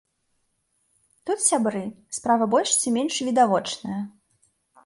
Тут, сябры, справа больш ці менш відавочная.